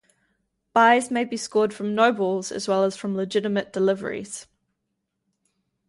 Byes may be scored from no balls as well as from legitimate deliveries.